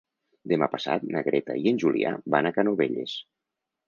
Demà passat na Greta i en Julià van a Canovelles.